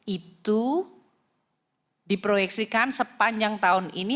itu diproyeksikan sepanjang tahun ini